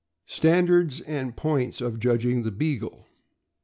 STANDARD AND POINTS OF JUDGING THE BEAGLE.